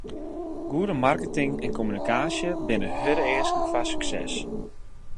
Goede marketing en kommunikaasje binne hurde easken foar sukses.